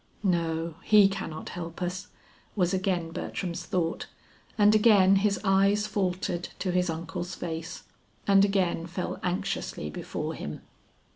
"No, he cannot help us," was again Bertram's thought, and again his eyes faltered to his uncle's face, and again fell anxiously before him.